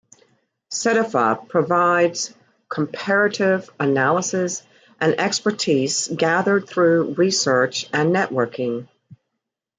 Cedefop provides comparative analyses and expertise gathered through research and networking.